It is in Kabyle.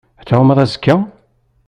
Ad tɛummeḍ azekka?